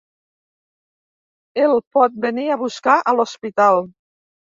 El pot venir a buscar a l'hospital.